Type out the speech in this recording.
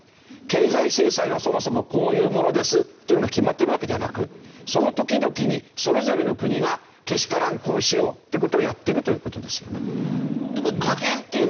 経済制裁はそもそもこういうものですっていうのが決まってるわけではなくその時々にそれぞれの国がけしからんこうしようって事をやってるという事ですよね。